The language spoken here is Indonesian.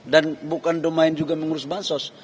bukan domain juga mengurus bansos